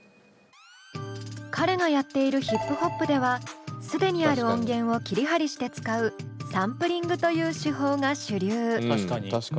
彼がやっているヒップホップでは既にある音源を切り貼りして使うサンプリングという手法が主流。